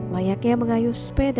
layaknya mengayuh sepeda